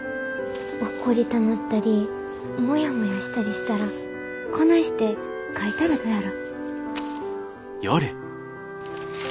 怒りたなったりモヤモヤしたりしたらこないして書いたらどやろ？